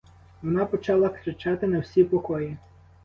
Вона почала кричати на всі покої.